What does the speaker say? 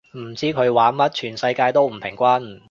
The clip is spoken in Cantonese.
唔知佢玩乜，全世界都係唔平均